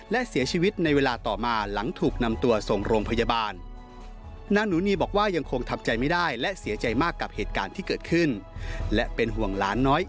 และเสียชีวิตในเวลาต่อมาหลังถูกนำตัวส่งโรงพยาบาล